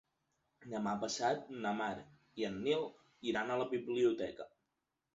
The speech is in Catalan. Demà passat na Mar i en Nil iran a la biblioteca.